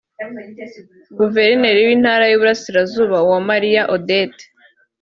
Guverineri w’Intara y’Iburasirazuba Uwamariya Odette